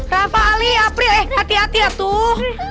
rafa ali apriah eh hati hati ya tuh